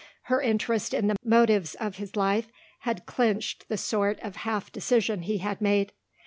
Her interest in the motives of his life had clinched the sort of half decision he had made.